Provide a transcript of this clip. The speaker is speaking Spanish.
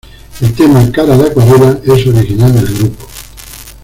El tema "Cara de acuarela" es original del grupo.